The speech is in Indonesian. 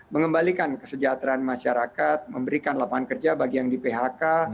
mengembalikan kesejahteraan masyarakat memberikan lapangan kerja bagi yang di phk